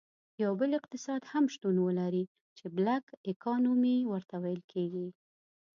یو بل اقتصاد هم شتون ولري چې Black Economy ورته ویل کیږي.